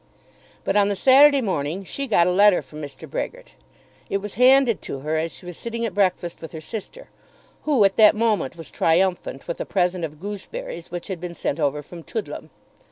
But on the Saturday morning she got a letter from Mr. Brehgert. It was handed to her as she was sitting at breakfast with her sister, who at that moment was triumphant with a present of gooseberries which had been sent over from Toodlam.